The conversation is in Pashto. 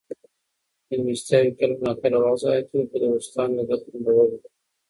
مېلمستیاوې کله ناکله وخت ضایع کوي خو د دوستانو لیدل خوندور وي.